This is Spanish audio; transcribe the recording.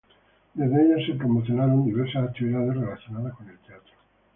Desde ella se promocionaron diversas actividades relacionadas con el teatro.